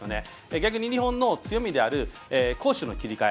逆に日本の強みである攻守の切り替え。